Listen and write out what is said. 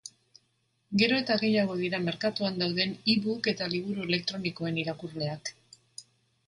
Gero eta gehiago dira merkatuan dauden ebook eta liburu elektronikoen irakurleak.